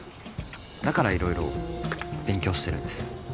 だから色々勉強してるんです。